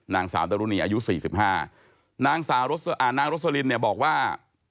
นางสาวดารุณีอายุ๔๕นางโรสลินศักดิ์เนี่ยบอกว่า